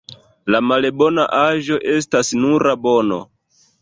La malbona aĵo estas nura bono.